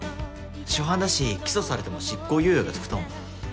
初犯だし起訴されても執行猶予がつくと思う。